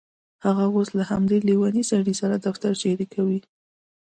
هغه اوس له همدې لیونۍ سړي سره دفتر شریکوي